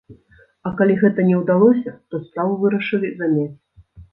А калі гэта не ўдалося, то справу вырашылі замяць.